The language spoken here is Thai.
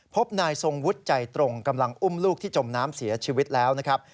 พบนายทรงวุฒิใจตรงกำลังอุ้มลูกที่จมน้ำเสียชีวิตแล้วนะครับ